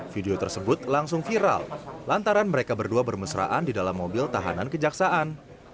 video tersebut langsung viral lantaran mereka berdua bermesraan di dalam mobil tahanan kejaksaan